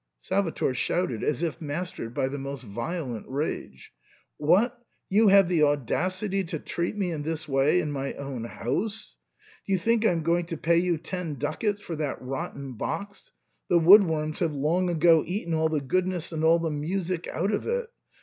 Salvator shouted, as if mastered by the most violent rage, " What ! you have the audacity to treat me in this way in my own house ! Do you think I'm going to pay you ten ducats for that rotten box ; the wood worms have long ago eaten all the goodness and all the music out of it